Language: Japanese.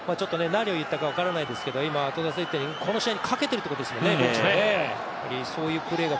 何を言ったか分からないですけど、この試合にかけているということですもんね、ベンチが。